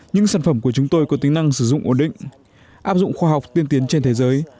những sản phẩm của chúng tôi có tính năng sử dụng ổn định áp dụng khoa học tiên tiến trên thế giới